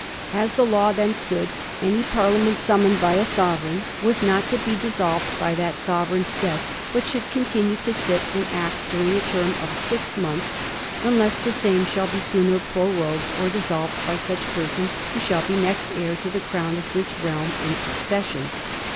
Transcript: As the law then stood, any Parlia ment summoned by a sovereign was not to be dis solved by that sovereign's death, but should continue to sit and act during a term of six months, 'unless the same shall be sooner prorogued or dissolved by fiuch person who shall be next heir to the Crown of this Realm in succession.'